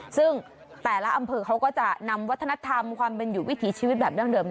ซึ่งแต่ละอำเภอเขาก็จะนำวัฒนธรรมความเป็นอยู่วิถีชีวิตแบบดั้งเดิม